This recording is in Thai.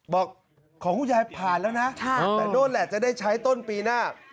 บอกของคุณยายผ่านแล้วนะแต่โน้นแหละจะได้ใช้ต้นปีหน้า